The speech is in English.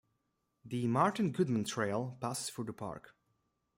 The Martin Goodman Trail passes through the park.